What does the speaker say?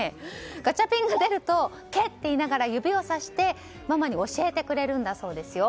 ガチャピンが出ると「け！」と言いながら指をさして、ママに教えてくれるんだそうですよ。